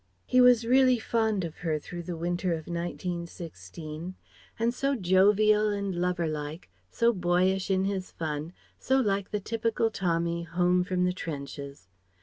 He was really fond of her through the winter of 1916. And so jovial and lover like, so boyish in his fun, so like the typical Tommy home from the trenches.